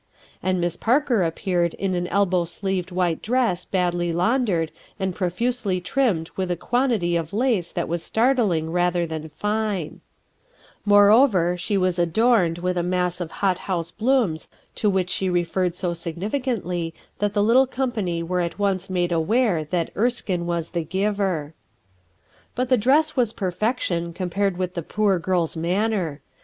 And Miss Parker ap peared in an elbow sleeved white dress badly laundered and profusely trimmed with a quan 00 RUTH ERSKIXE'S Sox tity of lace that was startling rather than f Moreover, she was adorned with a mass of h / house blooms to which she referred so sigrrif cantly that the little company were at one made aware that Ersldnc was the giver* But the dress was perfection compared with the poor girl's maimer.